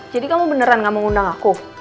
jadi kamu beneran nggak mau ngundang aku